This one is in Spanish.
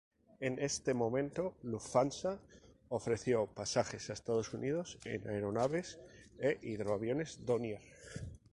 En este momento, Lufthansa ofreció pasajes a Estados Unidos en aeronaves e hidroaviones Dornier.